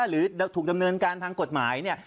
หรือถูกดำเนินการทางกฎหมายเนี่ย